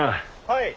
はい。